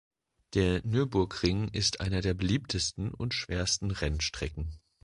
Der Nürburgring ist einer der beliebtesten und schwersten Rennstrecken.